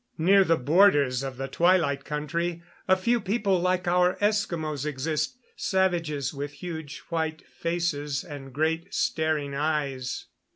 Near the borders of the Twilight Country a few people like our Eskimos exist savages with huge white faces, and great, staring eyes.